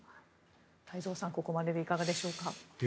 太蔵さん、ここまででいかがでしょうか？